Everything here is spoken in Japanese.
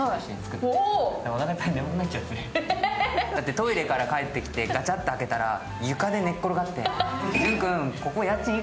トイレから帰ってきてガチャって開けたら床で寝っ転がって。